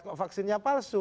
kok vaksinnya palsu